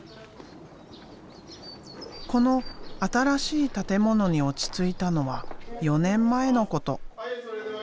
この新しい建物に落ち着いたのは４年前のこと。